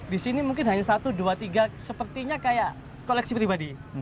di sini mungkin hanya satu dua tiga sepertinya kayak koleksi pribadi